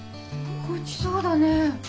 ごちそうだね。